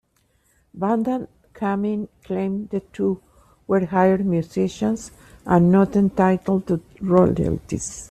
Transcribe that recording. Band and Kamin claimed the two were hired musicians and not entitled to royalties.